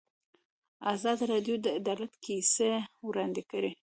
ازادي راډیو د عدالت کیسې وړاندې کړي.